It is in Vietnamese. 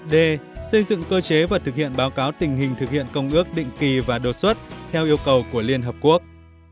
d xây dựng cơ chế và thực hiện báo cáo tình hình thực hiện công ước định kỳ và đột xuất theo yêu cầu của liên hợp quốc